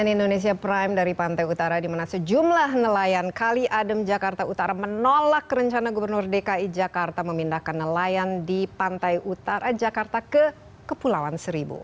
cnn indonesia prime dari pantai utara di mana sejumlah nelayan kali adem jakarta utara menolak rencana gubernur dki jakarta memindahkan nelayan di pantai utara jakarta ke kepulauan seribu